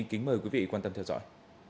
kính mời quý vị quan tâm theo dõi